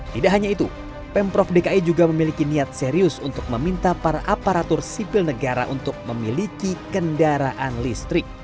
tidak hanya itu pemprov dki juga memiliki niat serius untuk meminta para aparatur sipil negara untuk memiliki kendaraan listrik